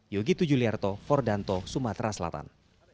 yogi tujuliarto fordanto sumatera selatan